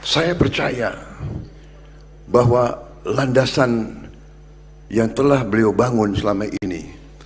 saya percaya bahwa landasan yang telah beliau bangun selama ini